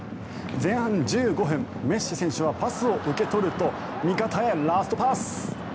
前半１５分、メッシ選手はパスを受け取ると味方へラストパス。